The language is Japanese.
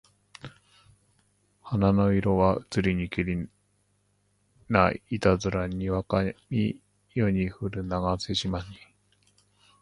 花の色はうつりにけりないたづらにわが身世にふるながめせしまに